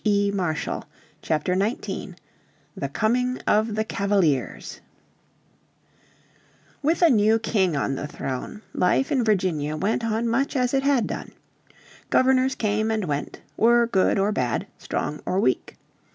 __________ Chapter 19 The Coming of the Cavaliers With a new King on the throne life in Virginia went on much as it had done. Governors came and went, were good or bad, strong or weak.